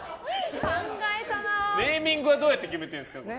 ネーミングはどうやって決めてるんですか？